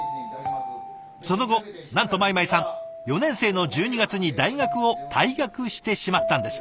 その後なんと米舞さん４年生の１２月に大学を退学してしまったんです。